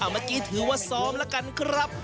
เอ่างั้นคือว่าซอมล่ะกันครับ